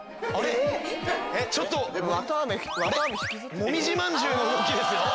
もみじまんじゅうの動きですよ。